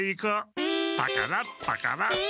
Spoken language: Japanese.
パカラパカラ。